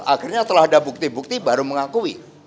akhirnya telah ada bukti bukti baru mengakui